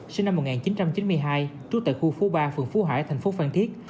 sinh năm một nghìn chín trăm chín mươi hai trú tại khu phố ba phường phú hải thành phố phan thiết